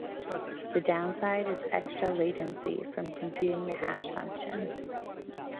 The downside is extra latency from computing the hash function.